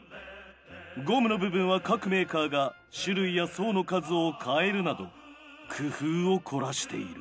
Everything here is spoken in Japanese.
ゴムの部分は各メーカーが種類や層の数を変えるなど工夫を凝らしている。